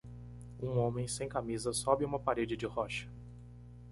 Um homem sem camisa sobe uma parede de rocha